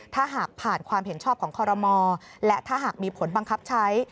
ถ้าหากผ่านความเห็นชอบของคอรมอและถ้าหากมีผลบังคับใช้